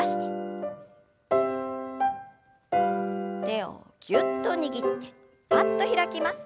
手をぎゅっと握ってぱっと開きます。